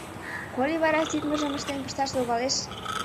Коли вара ситмыжым ыштен пышташ логалеш?»